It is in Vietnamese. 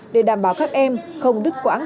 để đảm bảo các em không đứt quãng